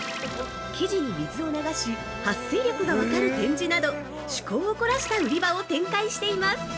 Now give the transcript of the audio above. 生地に水を流し、撥水力がわかる展示など、趣向を凝らした売り場を展開しています！